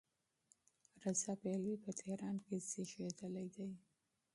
رضا پهلوي په تهران کې زېږېدلی دی.